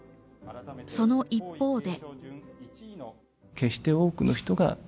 その一方で。